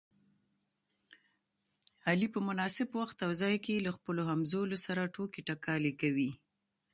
علي په مناسب وخت او ځای کې له خپلو همځولو سره ټوکې ټکالې کوي.